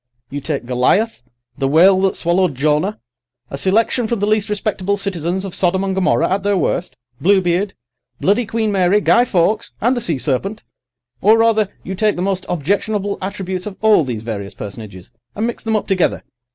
You take Goliath, the whale that swallowed Jonah, a selection from the least respectable citizens of Sodom and Gomorrah at their worst, Bluebeard, Bloody Queen Mary, Guy Fawkes, and the sea serpent—or, rather, you take the most objectionable attributes of all these various personages, and mix them up together.